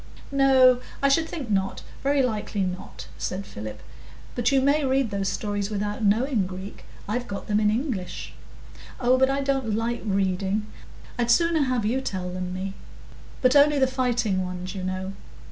"No, I should think not, very likely not," said Philip. "But you may read those stories without knowing Greek. I've got them in English." "Oh, but I don't like reading; I'd sooner have you tell them me. But only the fighting ones, you know.